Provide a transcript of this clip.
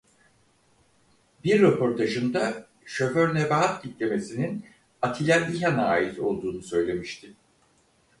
Bir röportajında "Şoför Nebahat" tiplemesinin Attilâ İlhan'a ait olduğunu söylemişti.